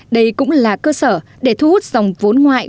đây cũng là cơ sở để thu hút dòng vốn ngoại